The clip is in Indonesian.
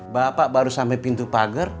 bapak baru sampai pintu pagar